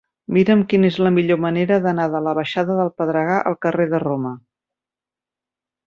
Mira'm quina és la millor manera d'anar de la baixada del Pedregar al carrer de Roma.